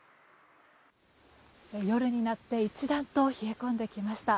夜になって一段と冷え込んできました。